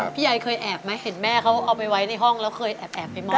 ยายเคยแอบไหมเห็นแม่เขาเอาไปไว้ในห้องแล้วเคยแอบไปมอบ